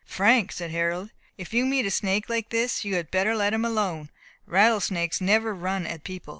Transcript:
"Frank," said Harold, "if you meet a snake like this, you had better let him alone. Rattle snakes never run at people.